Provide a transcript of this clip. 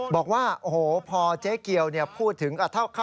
บอกว่าพอเจ๊เกียวพูดถึง